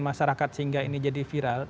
masyarakat sehingga ini jadi viral